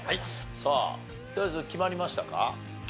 さあとりあえず決まりましたか？